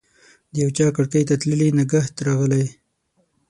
د یوچا کړکۍ ته تللي نګهت راغلی